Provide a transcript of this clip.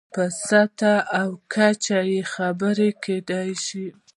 په سطحه او کچه یې خبرې کېدای شي.